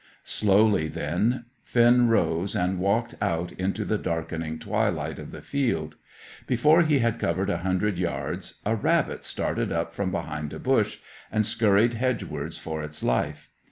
Slowly, then, Finn rose, and walked out into the darkening twilight of the field. Before he had covered a hundred yards, a rabbit started up from behind a bush, and scurried hedgewards for its life.